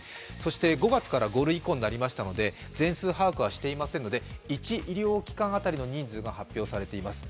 ５月から５類移行になりましたので全数把握はしていませんので１医療機関当たりの感染者数が発表されています。